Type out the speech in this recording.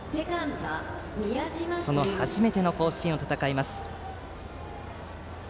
その初めての甲子園を戦います。